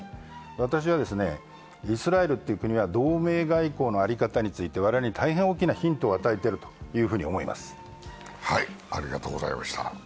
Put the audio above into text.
私はイスラエルという国は同名外交の在り方について、我々に大きなヒントを与えていると思います。